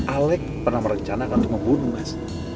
alec pernah merencanakan untuk membunuh mas